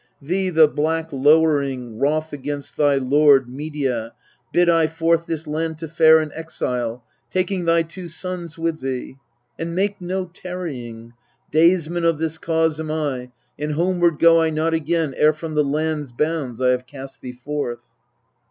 Thee the black lowering, wroth against thy lord, Medea, bid I forth this land to fare An exile, taking thy two sons with thee, And make no tarrying: daysman of this cause Am I, and homeward go I not again Ere from the land's bounds I have cast thee forth.